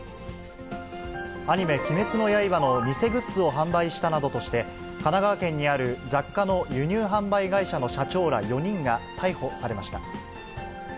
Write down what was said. アニメ、鬼滅の刃の偽グッズを販売したなどとして、神奈川県にある雑貨の輸入販売会社の社長ら４人が逮捕されました。